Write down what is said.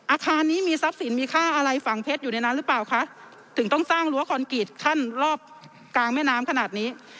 อาคารนี้มีทรัพย์สินมีค่าอะไรฝังเพชรอยู่ในนั้นหรือเปล่าคะถึงต้องสร้างรั้วคอนกรีตขั้นรอบกลางแม่น้ำขนาดนี้